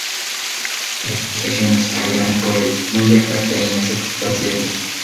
España exigió explicaciones a Irán por el "muy grave" e "inaceptable" incidente.